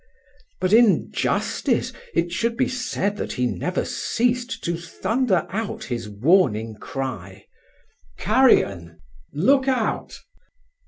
But in justice it should be said that he never ceased to thunder out his warning cry, "Carrion! look out!"